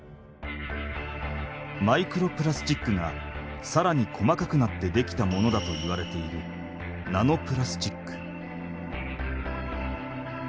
マイクロプラスチックがさらに細かくなってできたものだといわれているナノプラスチック。